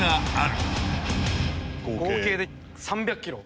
合計で３００ｋｇ。